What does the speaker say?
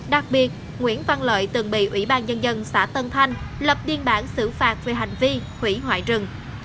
đặc biệt nguyễn văn lợi từng bị ủy ban nhân dân xã tân thanh lập biên bản xử phạt về hành vi hủy hoại rừng